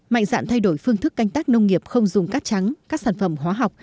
mạnh dạn thay đổi phương thức canh tác nông nghiệp không dùng cát trắng các sản phẩm hóa học